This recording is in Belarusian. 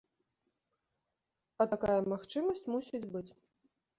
А такая магчымасць мусіць быць.